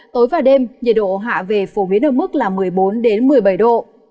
tối và đêm nhiệt độ hạ về phổ biến ở mức là một mươi bốn một mươi bảy độ